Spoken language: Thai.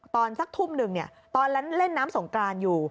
ตอนสักทุ่มหนึ่งตอนนั้นเล่นน้ำสงกรานอยู่